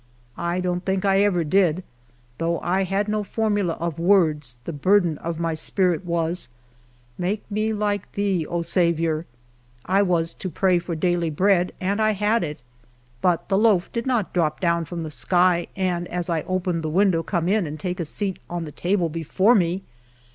I don't think I ever did ; though I had no formula of words, the burden of my spirit was, " Make me like to thee, O Saviour." 1 was to pray for daily bread, and I had it ; but the loaf did not drop down from the sky, and as I opened the window come in and take its seat on the table before me.